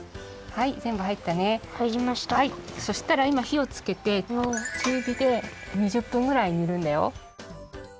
はいそしたらいま火をつけて中火で２０分ぐらい煮るんだよ。